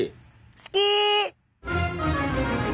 好き！